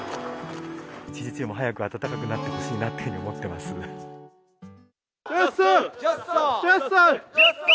一日でも早く暖かくなってほしいなっていうふうに思ってます。